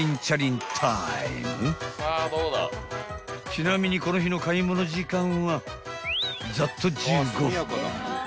［ちなみにこの日の買い物時間はざっと１５分］